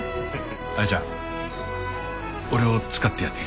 彩ちゃん俺を使ってやて。